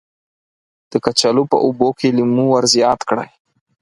د کچالو په اوبو کې لیمو ور زیات کړئ.